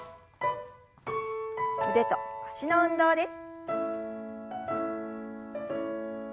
腕と脚の運動です。